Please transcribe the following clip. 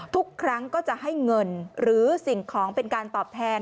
ทุกครั้งก็จะให้เงินหรือสิ่งของเป็นการตอบแทน